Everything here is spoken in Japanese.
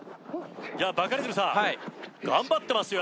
バカリズムさん頑張ってますよ